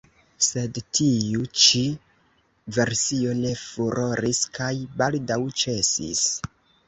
Sed tiu ĉi versio ne furoris kaj baldaŭ ĉesis.